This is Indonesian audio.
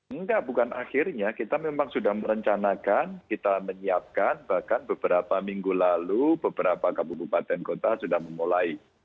enggak bukan akhirnya kita memang sudah merencanakan kita menyiapkan bahkan beberapa minggu lalu beberapa kabupaten kota sudah memulai